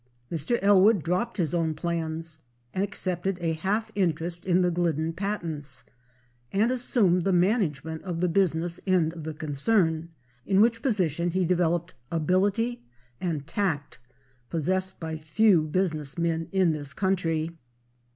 Mr. Ellwood dropped his own plans and accepted a half interest in the Glidden patents, and assumed the management of the business end of the concern, in which position he developed ability and tact possessed by few business men in this country.